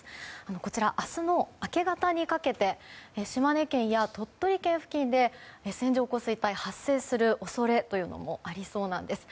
こちら、明日の明け方にかけて島根県や鳥取県付近で線状降水帯が発生する恐れもありそうなんです。